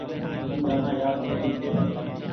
اي گآنآ يآد ڪونيٚ ڇي۔